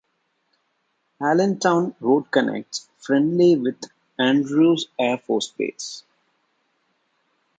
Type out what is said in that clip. Allentown Road connects Friendly with Andrews Air Force Base.